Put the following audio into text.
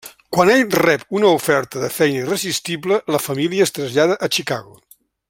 Quan ell rep una oferta de feina irresistible, la família es trasllada a Chicago.